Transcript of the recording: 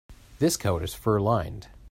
This coat is fur-lined.